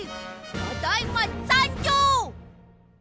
ただいまさんじょう！